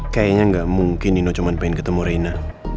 kayaknya nggak mungkin nino cuma pengen ketemu reina